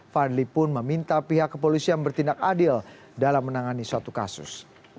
fadli pun meminta pihak kepolisian bertindak adil dalam menangani suatu kasus